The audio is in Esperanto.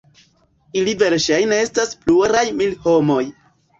Ili verŝajne estas pluraj mil homoj.